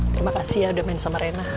terima kasih ya udah main sama rena